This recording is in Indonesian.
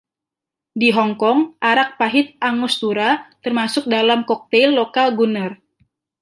Di Hong Kong, arak pahit Angostura termasuk dalam koktail lokal Gunner.